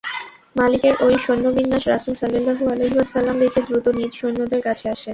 মালিকের এই সৈন্যবিন্যাস রাসূল সাল্লাল্লাহু আলাইহি ওয়াসাল্লাম দেখে দ্রুত নিজ সৈন্যদের কাছে আসেন।